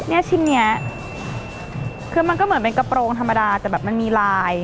ชิ้นนี้คือมันก็เหมือนเป็นกระโปรงธรรมดาแต่แบบมันมีลาย